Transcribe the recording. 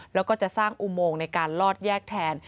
แล้วก็จะสร้างอุโมงในการลอดแยกแทน